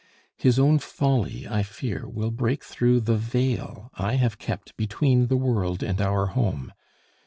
His own folly, I fear, will break through the veil I have kept between the world and our home.